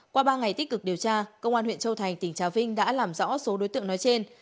qua ba ngày tích cực điều tra công an huyện châu thành tỉnh trà vinh đã làm rõ số đối tượng nói trên